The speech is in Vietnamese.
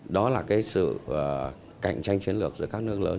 đó là cái sự cạnh tranh chiến lược giữa các nước lớn